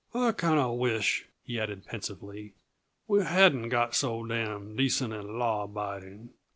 I kinda wish," he added pensively, "we hadn't got so damn' decent and law abiding.